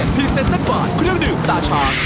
๒๐๑๗พิเศษนักบาทพริเศษหนึ่งตาช้าง